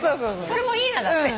それもいいなだって。